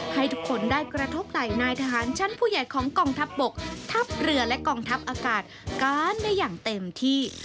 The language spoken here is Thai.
ให้ทุกคนได้กระทบไหล่นายทหารชั้นผู้ใหญ่ของกองทัพบกทัพเรือและกองทัพอากาศการได้อย่างเต็มที่